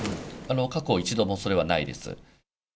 過去、一度もそれはないです。